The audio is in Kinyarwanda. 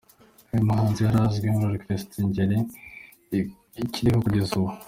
Uyu muhanzi yari azwi muri Orchestre Ingeli, ikiriho kugeza ubu.